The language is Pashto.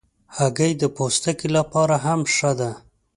هګۍ د پوستکي لپاره هم ښه ده.